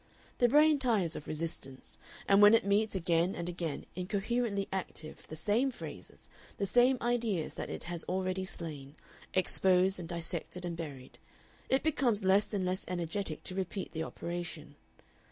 The brain tires of resistance, and when it meets again and again, incoherently active, the same phrases, the same ideas that it has already slain, exposed and dissected and buried, it becomes less and less energetic to repeat the operation.